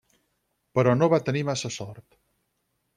Però no va tenir massa sort.